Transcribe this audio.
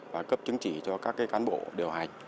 và cấp chứng chỉ cho các cán bộ điều hành